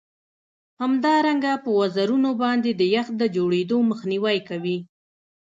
همدارنګه په وزرونو باندې د یخ د جوړیدو مخنیوی کوي